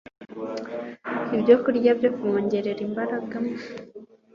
ibyokurya byo kuwongerera imbaraga